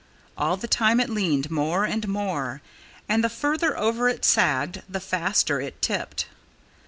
All the time it leaned more and more. And the further over it sagged, the faster it tipped.